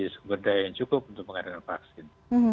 seberdaya yang cukup untuk mengadakan vaksin